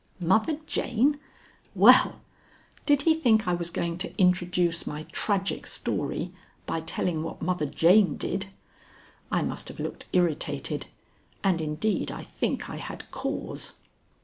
Mother Jane? Well! Did he think I was going to introduce my tragic story by telling what Mother Jane did? I must have looked irritated, and indeed I think I had cause.